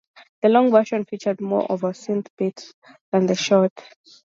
The long version featured more of a synth beat than the short.